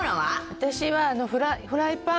私はフライパン。